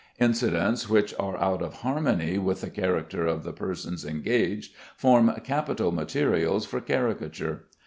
Incidents which are out of harmony with the character of the persons engaged, form capital materials for caricature.